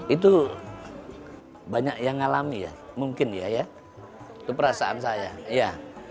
itu banyak yang ngalami ya mungkin ya ya itu perasaan saya ya